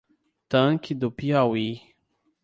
Tanque do Piauí